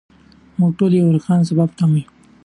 موږ ټول د یو روښانه سبا په تمه یو.